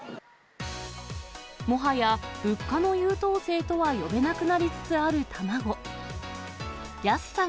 もはや物価の優等生とは呼べなくなりつつある卵。